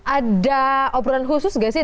ada obrolan khusus nggak sih